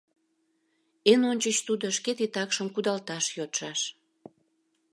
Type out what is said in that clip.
Эн ончыч тудо шке титакшым кудалташ йодшаш.